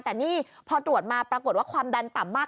แต่นี่พอตรวจมาปรากฏว่าความดันต่ำมาก